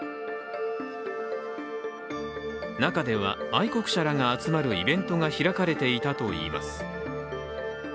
中では、愛国者らが集まるイベントが開かれていたといいます。